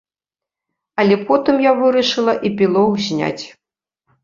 Але потым я вырашыла эпілог зняць.